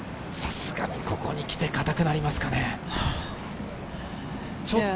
ここにきて、硬くなりますかね？